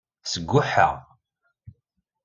Sguḥeɣ.